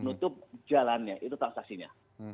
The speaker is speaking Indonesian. menutup jalannya itu transaksinya